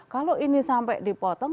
kalau ini sampai dipotong